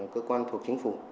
cơ quan thuộc chính phủ